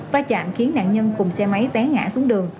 va chạm khiến nạn nhân cùng xe máy té ngã xuống đường